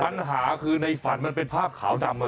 ปัญหาคือในฝันมันเป็นภาพขาวดำ